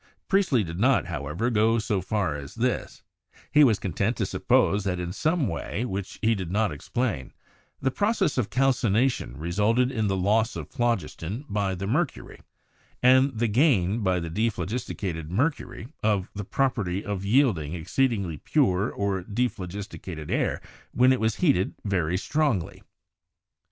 Priest ley did not, however, go so far as this ; he was content to suppose that in some way, which he did not explain, the process of calcination resulted in the loss of phlogiston by the mercury, and the gain, by the dephlogisticated mer cury, of the property of yielding exceedingly pure or de phlogisticated air when it was heated very strongly.